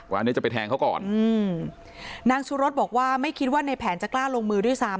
อันนี้จะไปแทงเขาก่อนอืมนางสุรสบอกว่าไม่คิดว่าในแผนจะกล้าลงมือด้วยซ้ำ